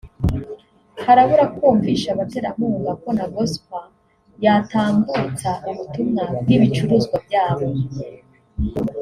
Harabura kwumvisha abaterankunga ko na Gospel yatambutsa ubutumwa bw’ibicuruzwa byabo